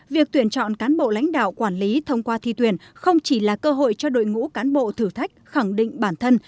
việc tuyển chọn cán bộ lãnh đạo quản lý thông qua thi tuyển không chỉ là cơ hội cho đội ngũ cán bộ thử thách khẳng định bản thân